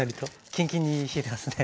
キンキンに冷えてますね。